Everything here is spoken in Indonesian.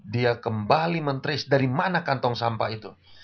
dia kembali mentris dari mana kantong sampah itu